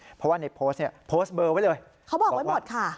เพราะว่าในโพสต์เนี่ยโพสต์เบอร์ไว้เลยเขาบอกไว้หมดค่ะ